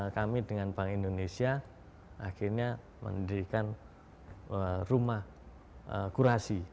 sehingga kami dengan bank indonesia akhirnya menirikan rumah kurasi